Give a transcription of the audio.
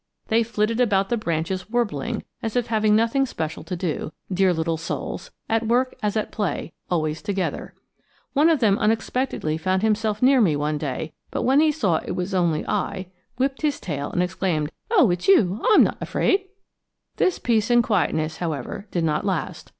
They flitted about the branches warbling, as if having nothing special to do; dear little souls, at work as at play, always together. One of them unexpectedly found himself near me one day; but when he saw it was only I, whipped his tail and exclaimed "Oh, it's you'. I'm' not afraid." This peace and quietness, however, did not last.